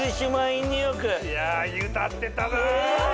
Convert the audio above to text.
いや歌ってたな！